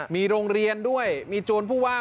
มีโรงเรียนด้วยมีโจรผู้ว่า